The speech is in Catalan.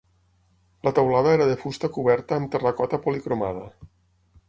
La teulada era de fusta coberta amb terracota policromada.